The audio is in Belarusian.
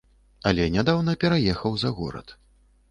Але нядаўна пераехаў за горад.